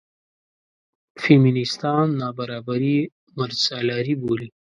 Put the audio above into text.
فیمینېستان نابرابري مردسالاري بولي.